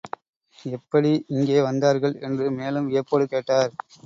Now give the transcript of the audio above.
எப்படி இங்கே வந்தார்கள்? என்று மேலும் வியப்போடு கேட்டார்.